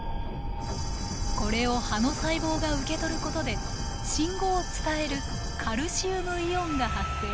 これを葉の細胞が受け取ることで信号を伝えるカルシウムイオンが発生。